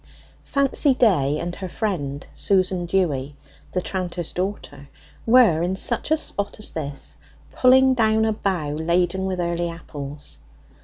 Fancy Day and her friend Susan Dewy the tranter's daughter, were in such a spot as this, pulling down a bough laden with early apples.